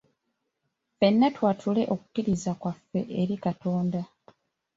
Ffenna twatule okukkiriza kwaffe eri Katonda.